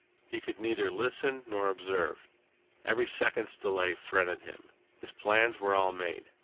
He could neither listen nor observe. Every second's delay fretted him. His plans were all made.